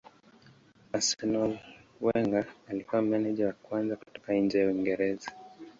Arsenal Wenger alikuwa meneja wa kwanza kutoka nje ya Uingereza.